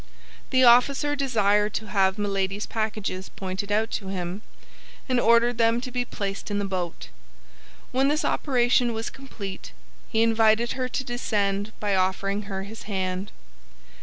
The officer desired to have Milady's packages pointed out to him, and ordered them to be placed in the boat. When this operation was complete, he invited her to descend by offering her his hand.